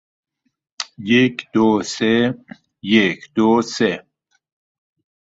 Billing and fees are quarterly.